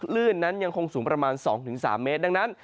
ลื่นนั้นยังคงสูงประมาณ๒๓เมตรดังนั้น